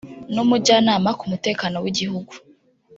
n’Umujyanama ku mutekano w’Igihugu